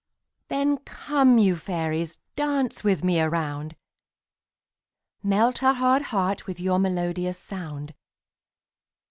Then come, you fairies, dance with me a round; Melt her hard heart with your melodious sound.